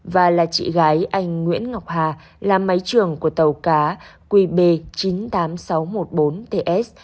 và là chị gái anh nguyễn ngọc hà là máy trưởng của tàu cá qb chín mươi tám nghìn sáu trăm một mươi bốn ts